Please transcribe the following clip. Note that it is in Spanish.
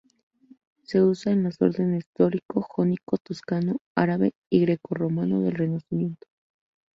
Se usa en los órdenes dórico, jónico, toscano, árabe y grecorromano del Renacimiento.